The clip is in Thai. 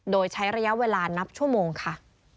โดยใช้ระยะเวลานับชั่วโมงค่ะ